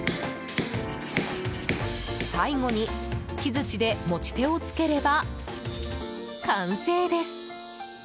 最後に木槌で持ち手をつければ完成です。